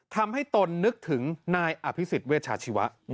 ทำให้ตนนึกถึงนายอภิษฎิ์เวชชาชีวะ